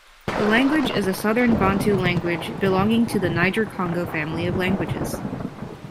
The language is a Southern Bantu language belonging to the Niger-Congo family of languages.